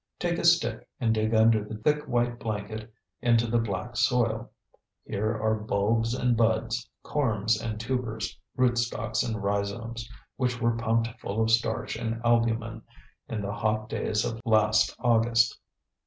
Take a stick and dig under the thick white blanket into the black soil. Here are bulbs and buds, corms and tubers, rootstalks and rhizomes, which were pumped full of starch and albumen in the hot days of last August.